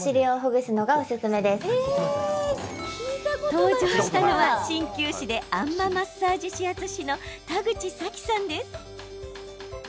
登場したのは、しんきゅう師であん摩マッサージ指圧師の田口咲さんです。